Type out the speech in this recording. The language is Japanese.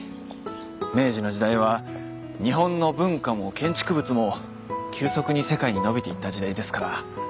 明治の時代は日本の文化も建築物も急速に世界に伸びていった時代ですから。